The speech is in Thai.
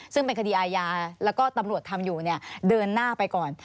ซึ่งเป็นคดีอาญาแล้วก็ตำรวจทำอยู่เดินหน้าไปก่อน